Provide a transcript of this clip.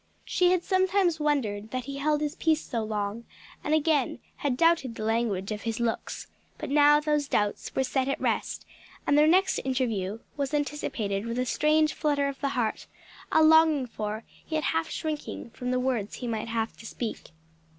She had sometimes wondered that he held his peace so long, and again had doubted the language of his looks, but now those doubts were set at rest, and their next interview was anticipated with a strange flutter of the heart, a longing for, yet half shrinking from the words he might have to speak.